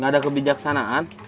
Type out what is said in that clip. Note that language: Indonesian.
gak ada kebijaksanaan